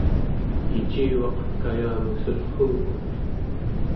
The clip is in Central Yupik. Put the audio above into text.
icivaq kayangussullruukut